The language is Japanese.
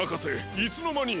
いつのまに！？